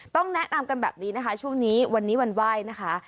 ต้องแนะนำกันแบบนี้นะคะช่วงนี้วันนี้วันไหว้นะคะ